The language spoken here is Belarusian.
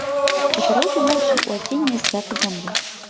Утаропіў вочы ў асенняе свята зямлі.